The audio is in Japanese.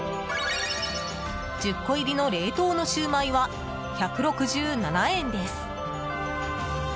１０個入りの冷凍のシューマイは１６７円です。